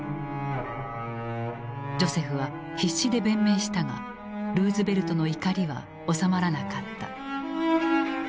ジョセフは必死で弁明したがルーズベルトの怒りは収まらなかった。